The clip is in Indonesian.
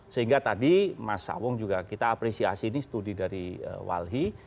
sehingga tadi mas sawung juga kita apresiasi ini studi dari walhi